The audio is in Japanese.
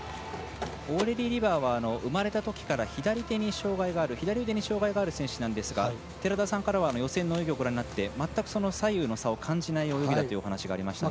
オーレリー・リバーは生まれたときから左腕に障がいがある選手なんですが寺田さんからは予選の泳ぎをご覧になって全く左右の差を感じない泳ぎだということがありましたね。